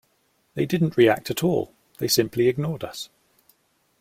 They didn't react at all; they simply ignored us.